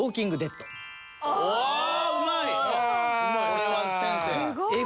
これは先生。